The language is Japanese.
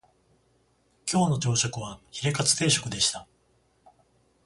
今日の朝食はヒレカツ定食でした